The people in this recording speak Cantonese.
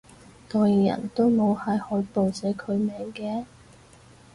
代言人都冇喺海報寫佢名嘅？